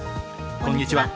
こんにちは。